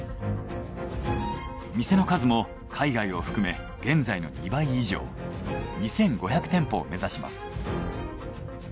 店の数も海外を含め現在の２倍以上２，５００店舗を目指します。